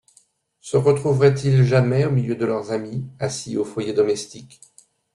Se retrouveraient-ils jamais au milieu de leurs amis, assis au foyer domestique?